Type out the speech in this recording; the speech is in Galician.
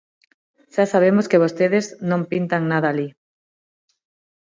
Xa sabemos que vostedes non pintan nada alí.